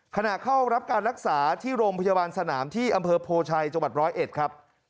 ขณะเข้ารับการรักษาที่โรงพยาบาลสนามที่อำเภอโพชัยจังหวัด๑๐๑